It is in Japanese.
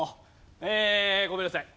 えーごめんなさい。